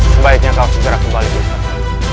sebaiknya kau segera kembali ke sana